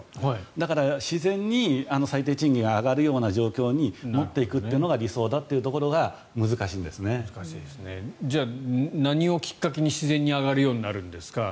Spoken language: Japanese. だから、自然に最低賃金が上がるような状況に持っていくのが理想だというところがじゃあ何をきっかけにして自然に上がるようになるんですか。